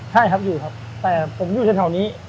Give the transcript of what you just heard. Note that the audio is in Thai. ใช่ครับอยู่ครับแต่ผมอยู่ช่างเท่านี้